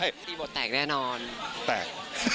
ประตูบทแตกแนวนอนใช่แตก